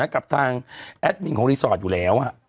กับทางแอดมินของรีสอร์ทอยู่แล้ว